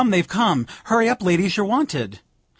they've come! hurry up, ladies you're wanted."